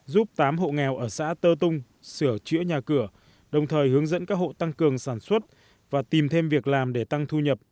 giúp tám hộ nghèo ở xã tơ tung sửa chữa nhà cửa đồng thời hướng dẫn các hộ tăng cường sản xuất và tìm thêm việc làm để tăng thu nhập